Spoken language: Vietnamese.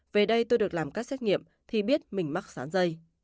về đây tôi được làm các xét nghiệm thì biết mình mắc sán dây